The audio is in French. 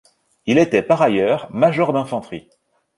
Il était par ailleurs major d'infanterie.